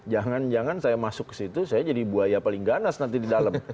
jangan jangan saya masuk ke situ saya jadi buaya paling ganas nanti di dalam